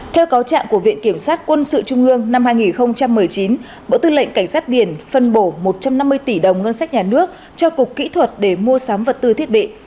theo cáo trạng của viện kiểm sát quân sự trung ương năm hai nghìn một mươi chín bộ tư lệnh cảnh sát biển phân bổ một trăm năm mươi tỷ đồng ngân sách nhà nước cho cục kỹ thuật để mua sắm vật tư thiết bị